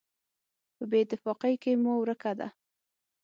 په بېاتفاقۍ کې مو ورکه ده.